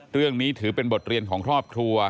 เรื่องนี้ถือเป็นบทเรียนของครอบครัว